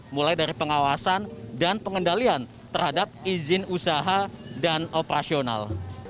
mulai dari pengawasan dan pengendalian terhadap izin usaha dan operasional